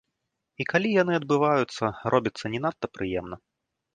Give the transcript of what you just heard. І калі яны адбываюцца, робіцца не надта прыемна.